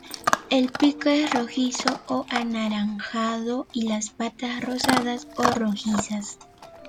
El pico es rojizo o anaranjado y las patas rosadas o rojizas.